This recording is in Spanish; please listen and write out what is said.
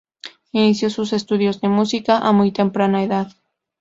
Inició sus estudios de música a muy temprana edad.